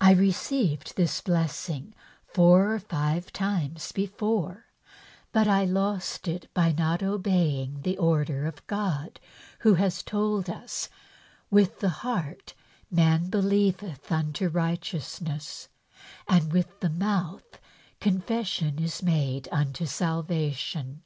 I received this blessing four or five times before, but I lost it by not obeying the order of God, who has told us, 'with the heart man believeth unto righteousness and with the mouth confession is made unto salvation.